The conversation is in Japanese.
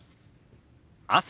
「朝」。